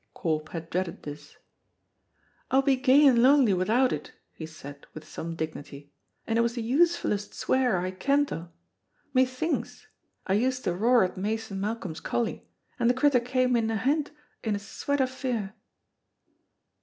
Corp had dreaded this. "I'll be gey an' lonely without it," he said, with some dignity, "and it was the usefulest swear I kent o'. 'Methinks!' I used to roar at Mason Malcolm's collie, and the crittur came in ahint in a swite o' fear.